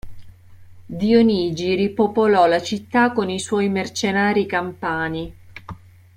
Dionigi ripopolò la città con i suoi mercenari campani.